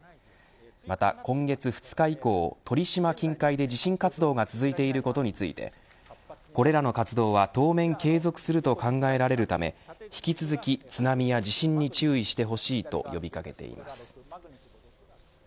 また、今月２日以降鳥島近海で地震活動が続いていることについてこれらの活動は当面継続すると考えられるため引き続き津波や地震に注意してほしいと呼び掛けています。